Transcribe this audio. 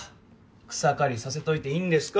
草刈りさせといていいんですか？